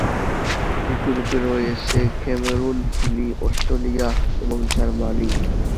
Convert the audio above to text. এই গ্রুপে রয়েছে ক্যামেরুন, চিলি, অস্ট্রেলিয়া এবং জার্মানি।